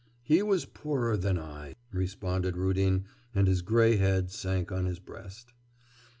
'He was poorer than I,' responded Rudin, and his grey head sank on his breast.